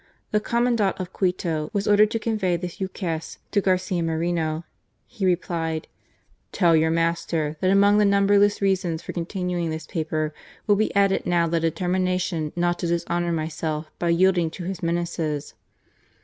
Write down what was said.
The Commandant of Quito was ordered to convey this ukase to Garcia Moreno. He replied :" Tell your master that among the numberless reasons for continuing this paper will be added now the determination not to dishonour myself by yielding to his menaces."